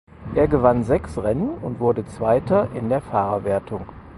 Er gewann sechs Rennen und wurde Zweiter in der Fahrerwertung.